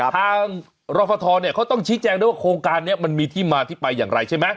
ทางรฟทเนี่ยเขาต้องชี้แจงด้วยว่าโครงการนี้มันมีที่มาที่ไปอย่างไรใช่ไหม